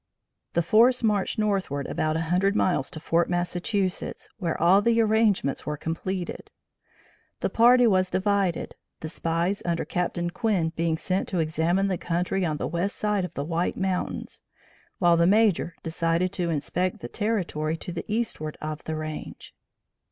The force marched northward about a hundred miles to Fort Massachusetts, where all the arrangements were completed. The party was divided, the spies under Captain Quinn being sent to examine the country on the west side of the White Mountains, while the Major decided to inspect the territory to the eastward of the range.